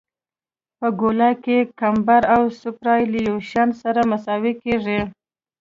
په ګولایي کې کمبر او سوپرایلیویشن سره مساوي کیږي